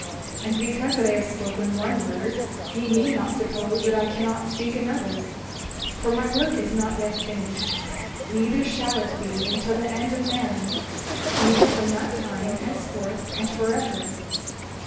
And because that I have spoken one word ye need not suppose that I cannot speak another; for my work is not yet finished; neither shall it be until the end of man, neither from that time henceforth and forever.